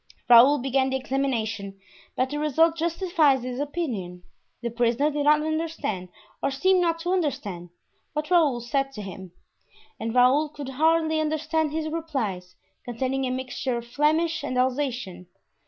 Raoul began the examination, but the result justified his opinion. The prisoner did not understand, or seemed not to understand, what Raoul said to him; and Raoul could hardly understand his replies, containing a mixture of Flemish and Alsatian.